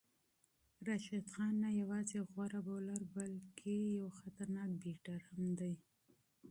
راشد خان نه یوازې یو غوره بالر بلکې یو خطرناک بیټر هم دی.